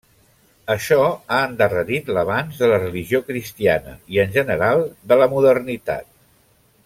Això ha endarrerit l'avanç de la religió cristiana i en general, de la modernitat.